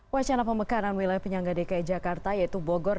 wacana pemekaran wilayah penyangga dki jakarta yaitu bogor